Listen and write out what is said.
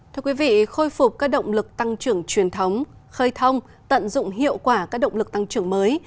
thưa quý vị khôi phục các động lực tăng trưởng truyền thống khơi thông tận dụng hiệu quả các động lực tăng trưởng mới